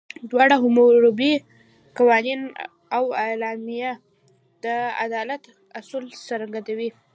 دواړه، حموربي قوانین او اعلامیه، د عدالت اصول څرګندوي.